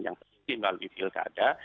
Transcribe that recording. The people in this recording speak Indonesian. yang terdiri melalui pilkada